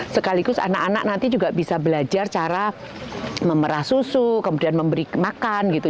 sekaligus anak anak nanti juga bisa belajar cara memerah susu kemudian memberi makan gitu